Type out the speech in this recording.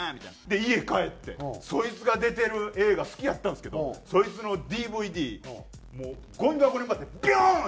で家帰ってそいつが出てる映画好きやったんですけどそいつのＤＶＤもうゴミ箱に向かってビューン！